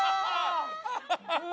ハハハハ！